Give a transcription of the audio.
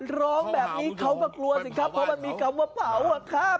ร้องแบบนี้เขาก็กลัวสิครับเพราะมันมีคำว่าเป๋าอะครับ